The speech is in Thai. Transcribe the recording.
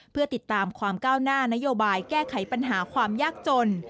เพื่อติดตามความก้าวหน้านโยบายแก้ไขปัญหาความยากจน